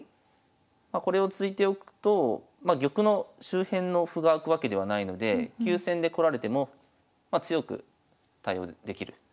これを突いておくと玉の周辺の歩が開くわけではないので急戦でこられてもまあ強く対応できる。